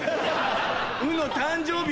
うの誕生日